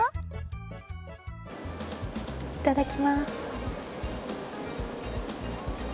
いただきます。